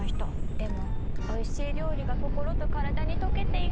でもおいしい料理が心と体に溶けていく！